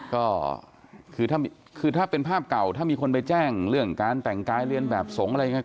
ก็คือถ้าเป็นภาพเก่าถ้ามีคนไปแจ้งเรื่องการแต่งกายเรียนแบบสงฆ์อะไรอย่างนี้